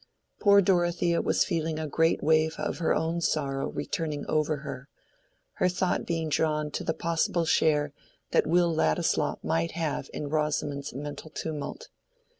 Poor Dorothea was feeling a great wave of her own sorrow returning over her—her thought being drawn to the possible share that Will Ladislaw might have in Rosamond's mental tumult.